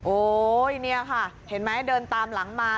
โอ๊ยเนี่ยค่ะเห็นไหมเดินตามหลังมา